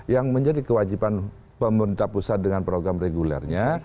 yang menjadi kewajiban pemerintah pusat dengan program regulernya